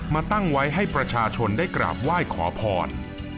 มาตั้งไว้ให้ประชาชนได้กราบไหว้ขอพร